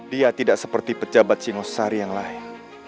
dia tidak seperti pejabat sinosari yang lain